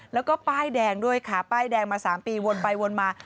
แล้วก็ป้ายแดงด้วยค่ะป้ายแดงมา๓ปีวนไปวนมา